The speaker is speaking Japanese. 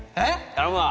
頼むわ。